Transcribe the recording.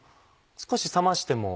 少し冷ましても？